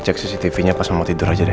cek cctv nya pas mau tidur aja deh